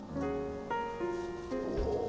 お。